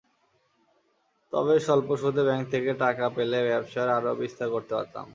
তবে স্বল্প সুদে ব্যাংক থেকে টাকা পেলে ব্যবসার আরও বিস্তার করতে পারতাম।